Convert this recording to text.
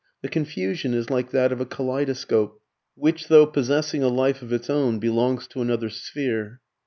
The confusion is like that of a kaleidoscope, which though possessing a life of its own, belongs to another sphere.